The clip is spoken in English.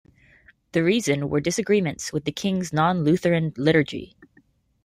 The reason were disagreements with the King's non-Lutheran liturgy.